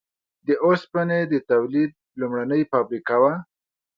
د اوسپنې د تولید لومړنۍ فابریکه وه.